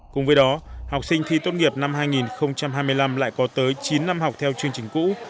cùng với đó học sinh thi tốt nghiệp năm hai nghìn hai mươi năm lại có tới chín năm học theo chương trình cũ